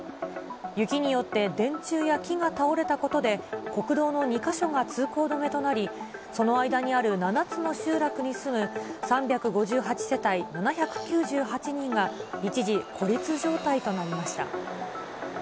雪によって電柱や木が倒れたことで、国道の２か所が通行止めとなり、その間にある７つの集落に住む３５８世帯７９８人が一時、孤立状態となりました。